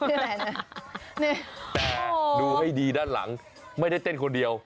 แต่ดูให้ดีด้านหลังไม่ได้เต้นคนเดียว